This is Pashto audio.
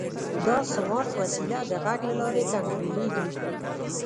دا سمارټ وسیله د غږ له لارې کنټرولېږي.